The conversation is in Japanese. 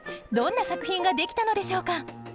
どんな作品ができたのでしょうか？